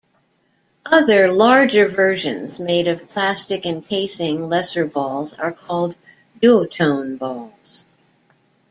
Other, larger versions made of plastic encasing lesser balls are called Duotone balls.